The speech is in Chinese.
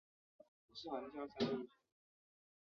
观测台是观测天文现象或是地貌的一个场所。